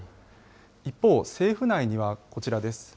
一方、政府内にはこちらです。